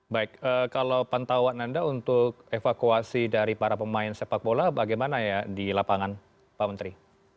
baik kalau pantauan anda untuk evakuasi dari para pemain sepak bola bagaimana ya di lapangan pak menteri